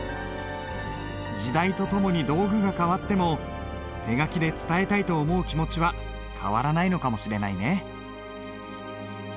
時代とともに道具が変わっても手書きで伝えたいと思う気持ちは変わらないのかもしれないね。